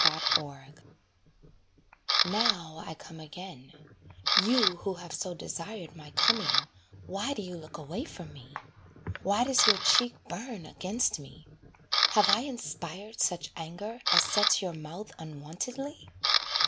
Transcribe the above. RETURN Now I am come again, you who have so desired My coming, why do you look away from me? Why does your cheek burn against me have I inspired Such anger as sets your mouth unwontedly?